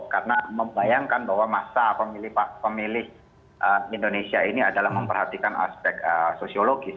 karena membayangkan bahwa masa pemilih indonesia ini adalah memperhatikan aspek sosiologis